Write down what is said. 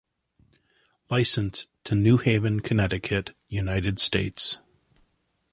Licensed to New Haven, Connecticut, United States.